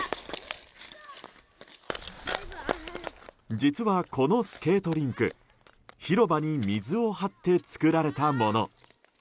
実は、このスケートリンク広場に水を張って作られたもの。